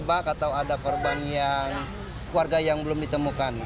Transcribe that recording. ada yang terjebak atau ada korban yang keluarga yang belum ditemukan